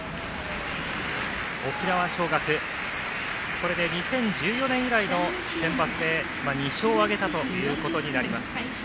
これで２０１４年以来のセンバツで２勝を挙げたということになります。